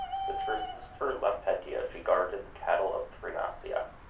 With her sister, Lampetia, she guarded the cattle of Thrinacia.